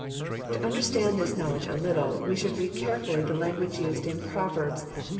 To understand this knowledge a little, we should read care ftiUy the language used in Proverbs viii.